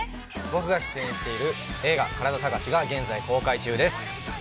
◆僕が出演している映画「カラダ探し」が現在公開中です。